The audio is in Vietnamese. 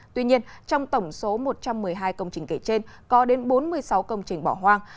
tuy nhiên trong tổng số một trăm một mươi hai công trình kể trên có đến bốn mươi sáu công trình bỏ hoang